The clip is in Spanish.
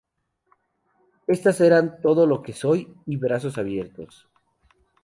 Estas eran "Todo Lo Que Soy" y "Brazos Abiertos".